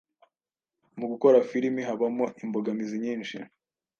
mu gukora filimi habamo imbogamizi nyinshi